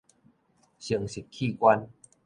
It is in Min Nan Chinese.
生殖器官